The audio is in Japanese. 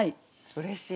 うれしい。